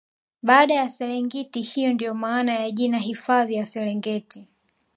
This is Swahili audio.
baadala ya serengiti hiyo ndio maana ya jina hifadhi ya Serengeti